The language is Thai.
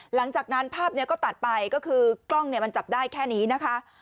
หลังจากนั้นภาพนี้ก็ตัดไปก็คือกล้องเนี่ยมันจับได้แค่นี้นะคะ